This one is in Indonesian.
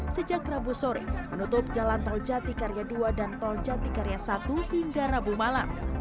sejak rabu sore menutup jalan tol jatikarya dua dan tol jatikarya satu hingga rabu malam